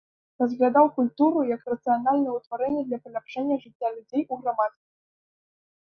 Разглядаў культуру як рацыянальнае ўтварэнне для паляпшэння жыцця людзей у грамадстве.